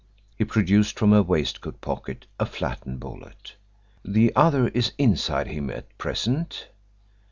He produced from a waistcoat pocket a flattened bullet. "The other is inside him at present."